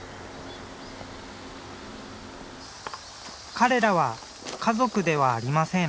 彼らは家族ではありません。